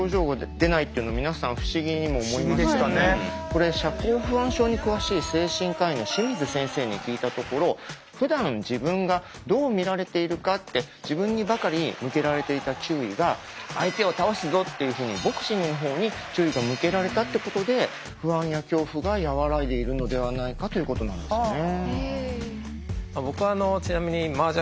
これ社交不安症に詳しい精神科医の清水先生に聞いたところふだん自分がどう見られているかって自分にばかり向けられていた注意が相手を倒すぞっていうふうにボクシングの方に注意が向けられたってことで不安や恐怖が和らいでいるのではないかということなんですね。